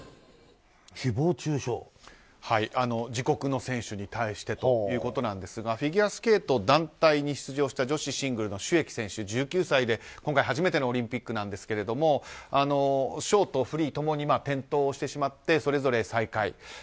自国の選手に対してということなんですがフィギュアスケート団体に出場した女子シングルのシュ・エキ選手、１９歳で今回、初めてのオリンピックなんですがショート、フリーともに転倒してしまってそれぞれ最下位。